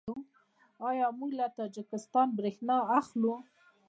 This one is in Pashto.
آیا موږ له تاجکستان بریښنا اخلو؟